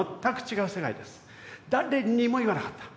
誰にも言わなかった。